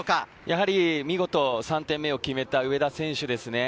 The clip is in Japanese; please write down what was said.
見事、３点目を決めた上田選手ですね。